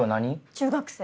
中学生。